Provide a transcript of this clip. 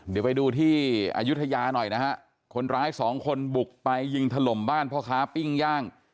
เดี๋ยวไปดูที่อายุทยาหน่อยนะฮะคนร้ายสองคนบุกไปยิงถล่มบ้านพ่อค้าปิ้งย่าง